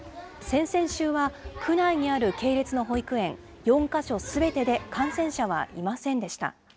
先々週は、区内にある系列の保育園４か所すべてで感染者はいませんでした。